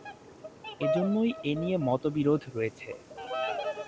এজন্যই এ নিয়ে মতবিরোধ রয়েছে।